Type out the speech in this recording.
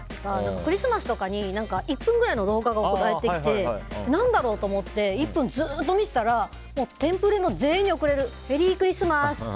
クリスマスとかに１分くらいの動画が送られてきて何だろうと思って１分、ずっと見てたらテンプレの全員に送れるメリークリスマス